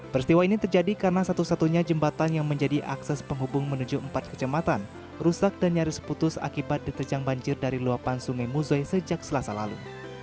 peristiwa ini terjadi karena satu satunya jembatan yang menjadi akses penghubung menuju empat kecematan rusak dan nyaris putus akibat diterjang banjir dari luapan sungai musoy sejak selasa lalu